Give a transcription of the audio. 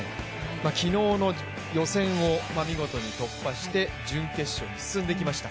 昨日の予選を見事に突破して準決勝に進んできました。